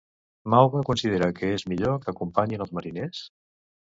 Mauva considera que és millor que acompanyin els mariners?